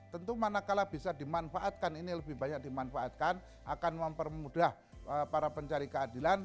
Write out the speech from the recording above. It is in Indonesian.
tentu manakala bisa dimanfaatkan ini lebih banyak dimanfaatkan akan mempermudah para pencari keadilan